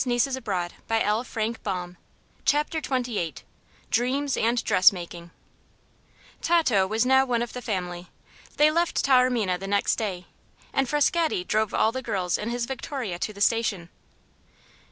You've been adopted, Tato! Are you glad?" CHAPTER XXVIII DREAMS AND DRESS MAKING Tato was now one of the family. They left Taormina the next day, and Frascatti drove all the girls in his victoria to the station.